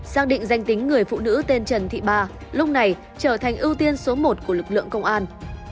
xác định danh tính người phụ nữ tên trần thị ba lúc này trở thành ưu tiên số một của lực lượng công an